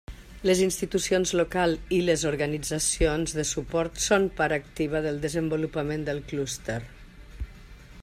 Les institucions locals i les organitzacions de suport són part activa del desenvolupament del clúster.